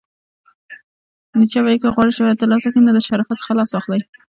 نیچه وایې، که غواړئ شهرت ترلاسه کړئ نو د شرافت څخه لاس واخلئ!